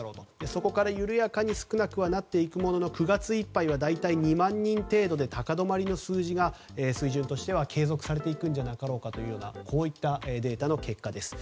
そこから緩やかに少なくはなっていくものの９月いっぱいは大体２万人程度で高止まりの数字が水準としては継続されていくんじゃなかろうかというデータの結果です。